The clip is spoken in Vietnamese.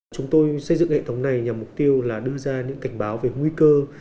chúng tôi xây dựng hệ thống này nhằm mục tiêu là đưa ra những cảnh báo về nguy cơ